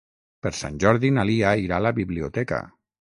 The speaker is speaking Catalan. Per Sant Jordi na Lia irà a la biblioteca.